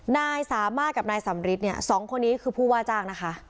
นายสามารถกับนายสำริทเนี่ยสองคนนี้คือผู้ว่าจ้างนะคะ